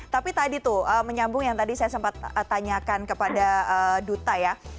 tapi tadi tuh menyambung yang tadi saya sempat tanyakan kepada duta ya